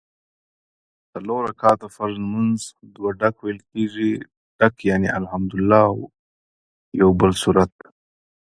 څلور رکعته فرض لمونځ دوه ډک ویل کېږي ډک یعني الحمدوالله او یوبل سورت